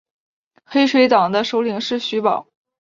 黑水党的首领是徐保。